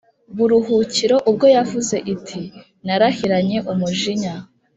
buruhukiro ubwo yavuze iti Narahiranye umujinya